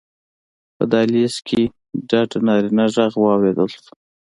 په دهلېز کې ډډ نارينه غږ واورېدل شو: